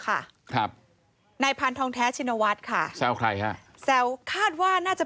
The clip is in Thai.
ครับนายพันธองแท้ชินวัฒน์ค่ะแซวใครฮะแซวคาดว่าน่าจะ